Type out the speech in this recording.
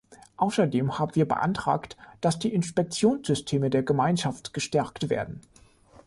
Außerdem haben wir beantragt, dass die Inspektionssysteme der Gemeinschaft gestärkt werden.